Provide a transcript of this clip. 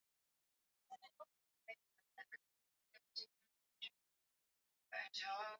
Wanyama wengi hufa kutokana na ugonjwa huu ikiwa watakosa kutibiwa